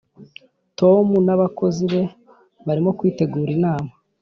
tom n'abakozi be barimo kwitegura inama.